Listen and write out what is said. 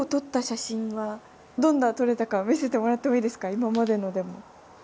今までのでも。